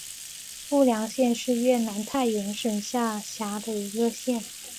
富良县是越南太原省下辖的一个县。